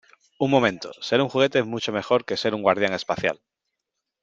Un momento . Ser un juguete es mucho mejor que ser un guardián espacial .